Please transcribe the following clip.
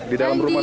di dalam rumah